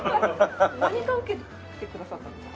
何科を受けてくださったんですか？